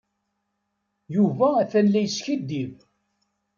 Yuba atan la yeskiddib.